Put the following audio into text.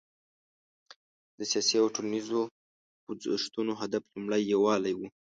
د سیاسي او ټولنیزو خوځښتونو هدف لومړی یووالی و.